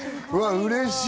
うれしい！